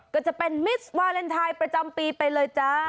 ก็จะเป็นมิสวาเลนไทยประจำปีไปเลยจ้า